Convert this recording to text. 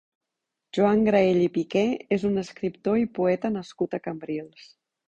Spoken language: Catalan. Joan Graell i Piqué és un escriptor i poeta nascut a Cambrils.